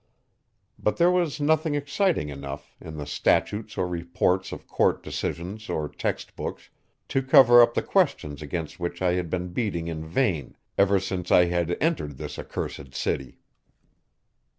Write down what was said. But there was nothing exciting enough, in the statutes or reports of court decisions or text books, to cover up the questions against which I had been beating in vain ever since I had entered this accursed city.